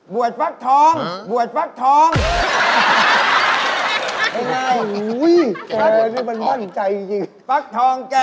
ฟักทองบวชฟักทอง